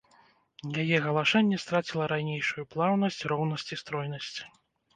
Яе галашэнне страціла ранейшую плаўнасць, роўнасць і стройнасць.